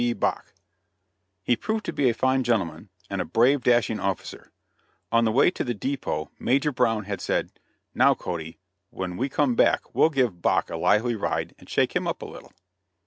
B. Bache. He proved to be a fine gentleman, and a brave, dashing officer. On the way to the dépôt Major Brown had said, "Now, Cody, when we come back we'll give Bache a lively ride and shake him up a little."